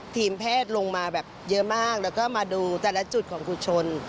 ทีมแพทย์ลงมาแบบเยอะมากแล้วก็มาดูแต่ละจุดของคุณชน